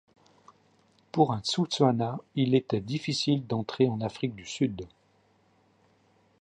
Pour un Tswana, il était difficile d'entrer en Afrique du Sud.